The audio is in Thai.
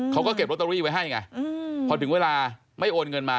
เขาก็เก็บลอตเตอรี่ไว้ให้ไงพอถึงเวลาไม่โอนเงินมา